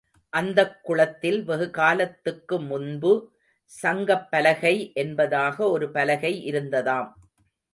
அந்தக் குளத்தில் வெகுகாலத்துக்கு முன்பு சங்கப்பலகை என்பதாக ஒரு பலகை இருந்ததாம்.